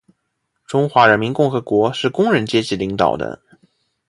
中华人民共和国是工人阶级领导的